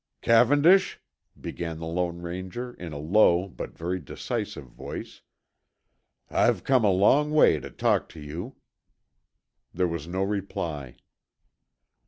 "Cavendish," began the Lone Ranger in a low but very decisive voice, "I've come a long way to talk to you." There was no reply.